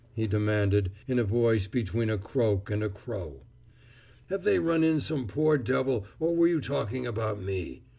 he demanded in a voice between a croak and a crow. "Have they run in some other poor devil, or were you talking about me?